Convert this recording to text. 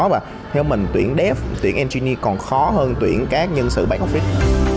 dev tuyển engineer còn khó hơn tuyển các nhân sự bán office